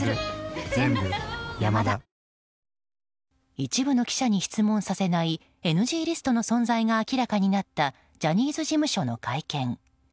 一部の記者に質問させないＮＧリストの存在が明らかになったジャニーズ事務所の会見。